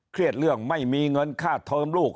เครียดเรื่องไม่มีเงินค่าเทอมลูก